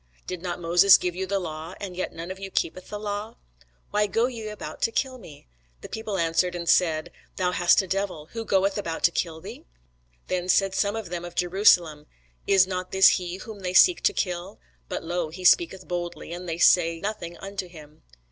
Did not Moses give you the law, and yet none of you keepeth the law? Why go ye about to kill me? The people answered and said, Thou hast a devil: who goeth about to kill thee? Then said some of them of Jerusalem, Is not this he, whom they seek to kill? But, lo, he speaketh boldly, and they say nothing unto him.